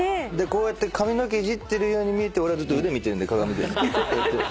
こうやって髪の毛いじってるように見えて俺はずっと腕見てるんで鏡で。